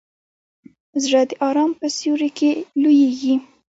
زړه د ارام په سیوري کې لویېږي.